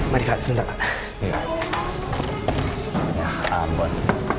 marifat sebentar pak